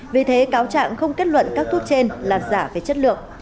vì thế cáo trạng không kết luận các thuốc trên là giả về chất lượng